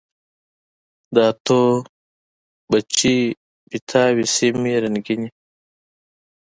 د اتو، بچي، پیتاو سیمي رنګیني